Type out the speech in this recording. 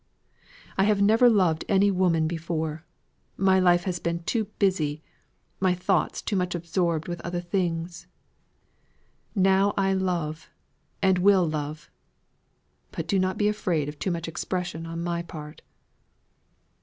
I have never loved any woman before: my life has been too busy, my thoughts too much absorbed with other things. Now I love, and will love. But do not be afraid of too much expression on my part."